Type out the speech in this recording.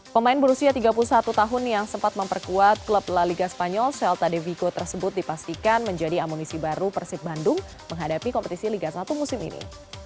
pemain berusia tiga puluh satu tahun yang sempat memperkuat klub la liga spanyol selta devico tersebut dipastikan menjadi amunisi baru persib bandung menghadapi kompetisi liga satu musim ini